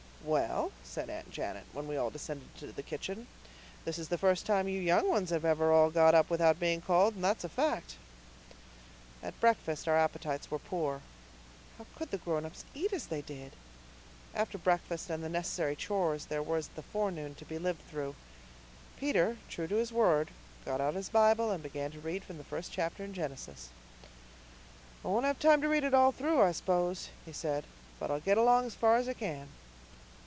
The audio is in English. "Well," said Aunt Janet, when we all descended to the kitchen, "this is the first time you young ones have ever all got up without being called, and that's a fact." At breakfast our appetites were poor. How could the grown ups eat as they did? After breakfast and the necessary chores there was the forenoon to be lived through. Peter, true to his word, got out his Bible and began to read from the first chapter in Genesis. "I won't have time to read it all through, I s'pose," he said, "but I'll get along as far as I can."